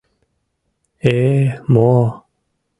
Э-э, мо...